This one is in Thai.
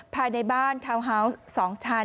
ภายในบ้านทาวน์ฮาวส์๒ชั้น